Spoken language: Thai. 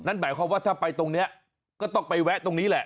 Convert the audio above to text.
หมายความว่าถ้าไปตรงนี้ก็ต้องไปแวะตรงนี้แหละ